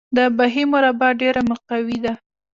د بهي مربا ډیره مقوي ده.